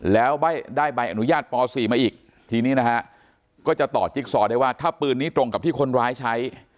แล้วได้ใบอนุญาตป๔มาอีกทีนี้นะฮะก็จะต่อจิ๊กซอได้ว่าถ้าปืนนี้ตรงกับที่คนร้ายใช้